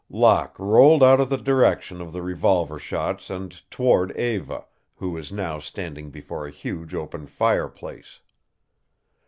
Locke rolled out of the direction of the revolver shots and toward Eva, who was now standing before a huge open fireplace.